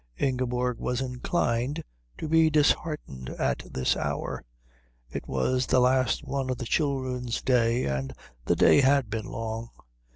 Ingeborg was inclined to be disheartened at this hour. It was the last one of the children's day, and the day had been long.